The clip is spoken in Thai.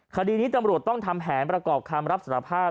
คดีนี้ตำรวจต้องทำแผนประกอบคำรับสารภาพ